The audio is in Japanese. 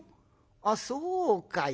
あっそうかい。